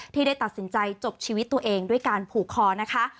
ที่ได้ตัดสินใจจบชีวิตตัวเองด้วยการผูกคอนะคะ